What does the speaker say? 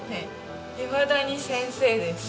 いまだに先生です。